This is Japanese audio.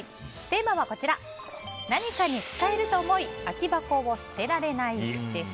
テーマはこちら何かに使えると思い空き箱を捨てられないです。